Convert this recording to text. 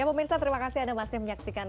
ya om irsa terima kasih anda masih menyaksikan